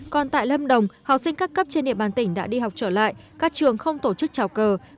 còn tại lâm đồng học sinh các cấp trên địa bàn tỉnh đã đi học trở lại các trường không tổ chức trào cờ